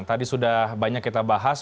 tadi sudah banyak kita bahas